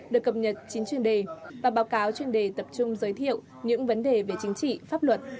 được cập nhật chín chuyên đề và báo cáo chuyên đề tập trung giới thiệu những vấn đề về chính trị pháp luật